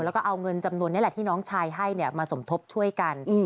แล้วก็เอาเงินจำนวนนี้แหละที่น้องชายให้มาสมทบช่วยกัน